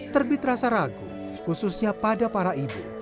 terbit rasa ragu khususnya pada para ibu